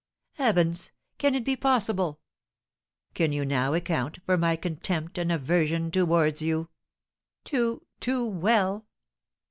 "Heavens! Can it be possible?" "Can you now account for my contempt and aversion towards you?" "Too, too well!"